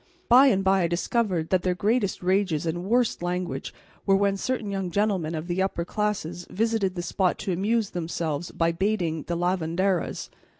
By and by I discovered that their greatest rages and worst language were when certain young gentlemen of the upper classes visited the spot to amuse themselves by baiting the lavanderas.